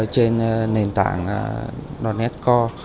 trên nền tảng net core